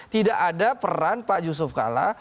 tidak ada peran pak yusuf kalla